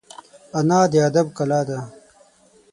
انا د ادب کلا ده